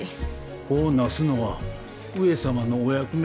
子をなすのは上様のお役目。